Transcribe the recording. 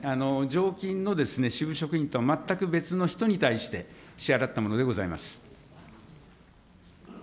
常勤の支部職員とは全く別の人に対して、支払ったものでございます。